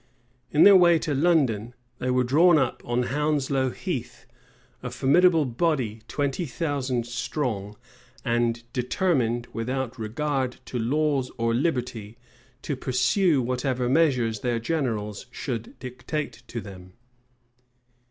In their way to London, they were drawn up on Hounslow Heath; a formidable body, twenty thousand strong, and determined, without regard to laws or liberty, to pursue whatever measures their generals should dictate to them.